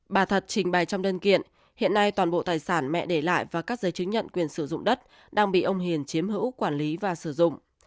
bà thật trình bày trong đơn kiện hiện nay toàn bộ tài sản mẹ để lại và các giấy chứng nhận quyền sử dụng đất đang bị ông hiền chiếm hữu quản lý và sử dụng